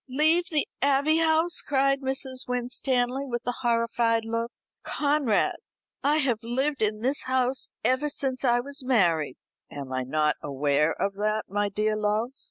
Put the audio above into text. "Leave the Abbey House!" cried Mrs. Winstanley with a horrified look. "Conrad, I have lived in this house ever since I was married." "Am I not aware of that, my dear love?